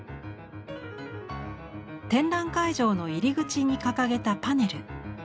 展覧会場の入り口に掲げたパネル。